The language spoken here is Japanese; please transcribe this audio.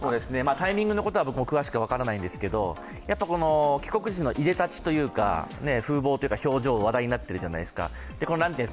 タイミングのことは僕も詳しく分からないんですけれども、帰国時のいでたちというか風貌というか、表情話題になってるじゃないですか。